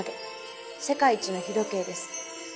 世界一の日時計です。